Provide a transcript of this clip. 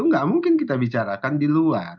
nggak mungkin kita bicarakan di luar